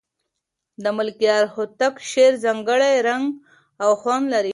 د ملکیار هوتک شعر ځانګړی رنګ او خوند لري.